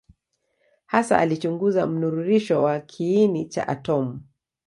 Hasa alichunguza mnururisho wa kiini cha atomu.